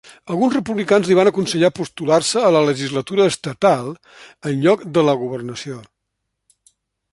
Alguns republicans li van aconsellar postular-se a la legislatura estatal en lloc de la governació.